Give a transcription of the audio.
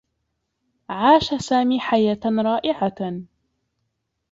عاش سامي حياة رائعة.